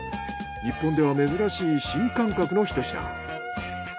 日本では珍しい新感覚のひと品。